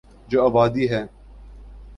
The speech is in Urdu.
جو آبادی ہے۔